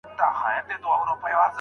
مشوره له چا؟